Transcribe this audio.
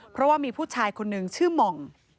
เพราะว่ามีผู้ชายคนนึงชื่อหม่อง